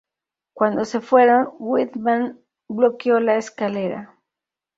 Cuando se fueron, Whitman bloqueó la escalera.